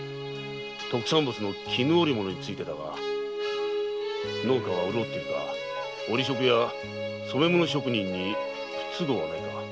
特産物の絹織物についてだが農家は潤っているか織り職や染め物職人に不都合はないか。